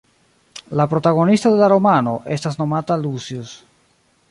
La protagonisto de la romano estas nomata Lucius.